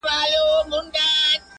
لوستونکي پرې فکر کوي ډېر,